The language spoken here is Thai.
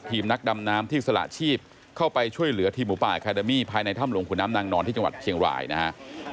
นักดำน้ำที่สละชีพเข้าไปช่วยเหลือทีมหมูป่าอาคาเดมี่ภายในถ้ำหลวงขุนน้ำนางนอนที่จังหวัดเชียงรายนะฮะ